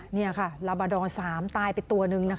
นี่ค่ะลาบาดอร์๓ตายไปตัวหนึ่ง